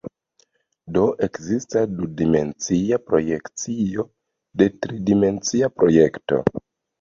Do ekestas du-dimensia projekcio de tri-dimensia objekto.